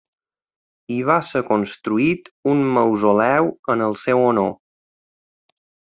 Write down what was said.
Hi va ser construït un mausoleu en el seu honor.